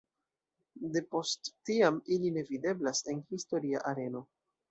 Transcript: De post tiam ili ne videblas en historia areno.